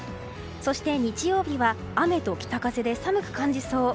そして日曜日は雨と北風で寒く感じそう。